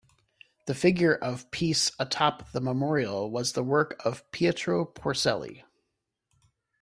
The figure of Peace atop the memorial was the work of Pietro Porcelli.